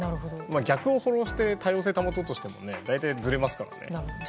逆をフォローして多様性を保とうとしてもずれますからね。